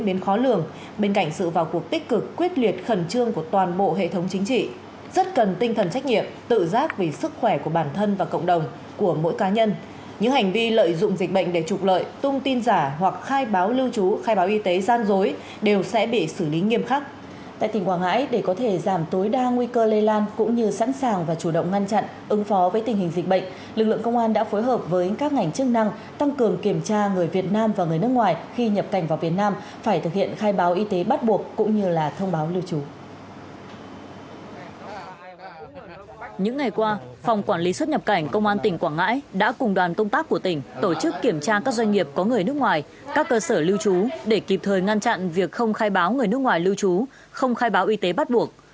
phòng quản lý xuất nhập cảnh công an tỉnh quảng ngãi đã cùng đoàn công tác của tỉnh tổ chức kiểm tra các doanh nghiệp có người nước ngoài các cơ sở lưu trú để kịp thời ngăn chặn việc không khai báo người nước ngoài lưu trú không khai báo y tế bắt buộc